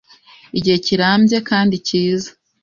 igihe kirambye kandi kiza.